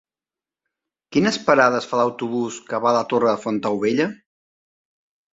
Quines parades fa l'autobús que va a la Torre de Fontaubella?